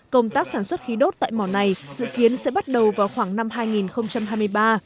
công tác sản xuất khí đốt tại mỏ này dự kiến sẽ bắt đầu vào khoảng năm hai nghìn hai mươi ba